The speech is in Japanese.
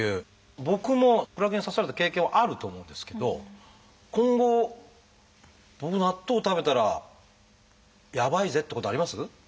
僕もクラゲに刺された経験はあると思うんですけど今後僕納豆を食べたらやばいぜってことあります？